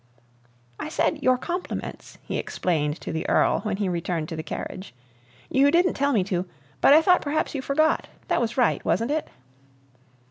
"I said your compliments," he explained to the Earl when he returned to the carriage. "You didn't tell me to, but I thought perhaps you forgot. That was right, wasn't it?"